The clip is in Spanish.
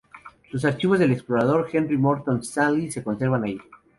Los archivos del explorador Henry Morton Stanley se conservan ahí.